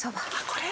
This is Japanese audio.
これ？